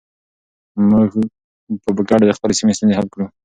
موږ به په ګډه د خپلې سیمې ستونزې حل کړو.